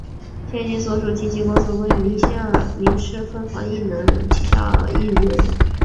现今所属经纪公司为民视凤凰艺能旗下艺人。